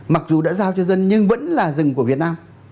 mặc dù đã giao cho dân nhưng vẫn là rừng của việt nam